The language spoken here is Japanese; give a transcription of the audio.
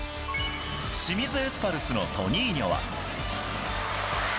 清水エスパルスのトニーニョは。